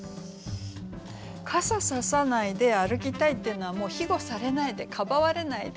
「傘ささないで歩きたい」っていうのはもうひごされないでかばわれないで。